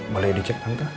boleh di cek tante